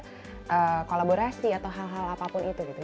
sampai ke kolaborasi atau hal hal apapun itu gitu